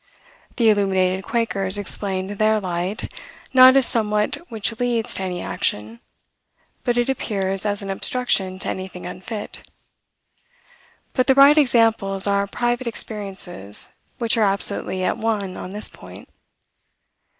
The illuminated Quakers explained their Light, not as somewhat which leads to any action, but it appears as an obstruction to anything unfit. But the right examples are private experiences, which are absolutely at one on this point.